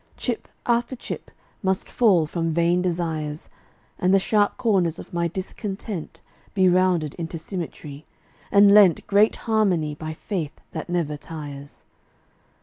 Chip after chip must fall from vain desires, And the sharp corners of my discontent Be rounded into symmetry, and lent Great harmony by faith that never tires.